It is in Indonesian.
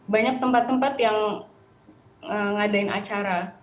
banyak tempat tempat yang ngadain acara